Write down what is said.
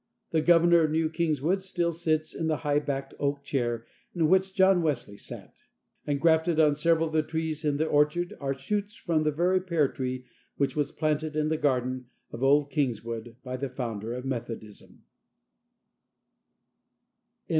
The Governor of New Kingswood still sits in the high backed oak chair in which John Wesley sat; and grafted on several of the trees in the orchard, are shoots from the very pear tree which was planted in the garden of Old Kingswood by the Founder of Methodism.